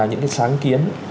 những cái sáng kiến